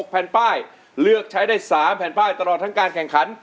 แผ่นป้ายเลือกใช้ได้๓แผ่นป้ายตลอดทั้งการแข่งขัน